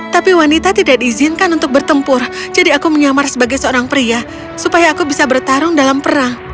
tapi wanita tidak diizinkan untuk bertempur jadi aku menyamar sebagai seorang pria supaya aku bisa bertarung dalam perang